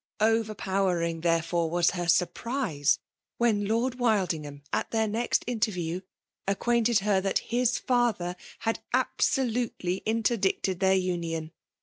Overpowering, therefore, was her surprise when Lord Wildingham, at their next interview, aoqueaated her that his father had absolutely interdicted their union.